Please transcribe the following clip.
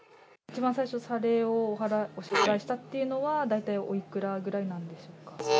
一番最初、謝礼をお支払いしたっていうのは、大体おいくらぐらいなんでしょうか？